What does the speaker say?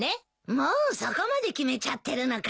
もうそこまで決めちゃってるのか。